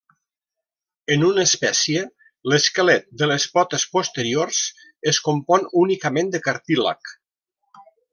En una espècie, l'esquelet de les potes posteriors es compon únicament de cartílag.